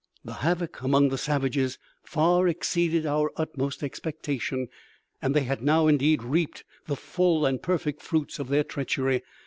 The havoc among the savages far exceeded our utmost expectation, and they had now, indeed, reaped the full and perfect fruits of their treachery.